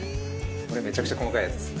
これめちゃくちゃ細かいやつですよ。